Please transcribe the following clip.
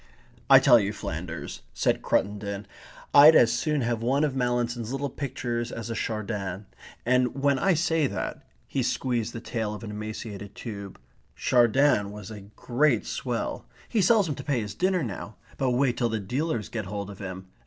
"I tell you, Flanders," said Cruttendon, "I'd as soon have one of Mallinson's little pictures as a Chardin. And when I say that ..." he squeezed the tail of an emaciated tube ... "Chardin was a great swell.... He sells 'em to pay his dinner now. But wait till the dealers get hold of him.